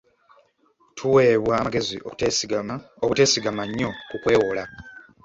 Tuweebwa amagezi obuteesigama nnyo ku kwewola.